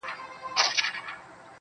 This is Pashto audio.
د " زلمۍ سندري "